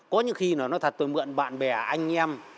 có những khi là nói thật tôi mượn bạn bè anh em